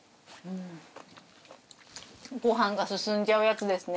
ご飯が進んじゃうやつですね。